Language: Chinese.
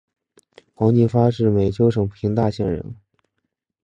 黄晋发是美湫省平大县人。